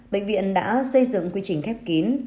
bệnh viện đã xây dựng quy trình khép kín